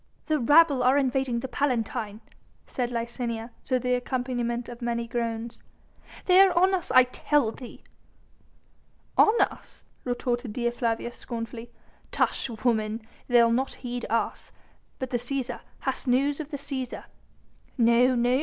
"The rabble are invading the Palatine," said Licinia, to the accompaniment of many groans. "They are on us I tell thee." "On us!" retorted Dea Flavia scornfully. "Tush, woman! they'll not heed us.... But the Cæsar ... Hast news of the Cæsar?" "No! no!